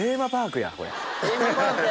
テーマパークや。